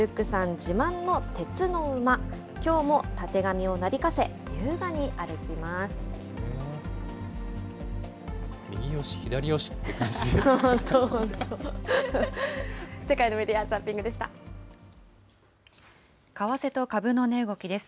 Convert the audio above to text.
自慢の鉄の馬、きょうもたてがみをなびかせ、優雅に歩きます。